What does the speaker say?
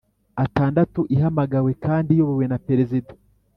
Atandatu ihamagawe kandi iyobowe na perezida